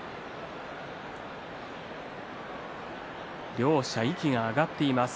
両者、息が上がっています。